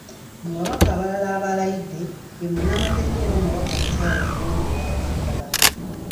Mu babaka abalala abalayidde ye munnamateeka era omubaka omukyala omulonde owa Kampala.